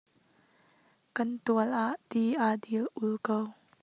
Kan tual ah ti aa dil ul ko.